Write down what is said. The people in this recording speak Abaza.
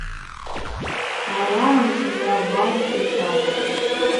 Араъа мшӏгӏва бажвпӏ, – йхӏватӏ.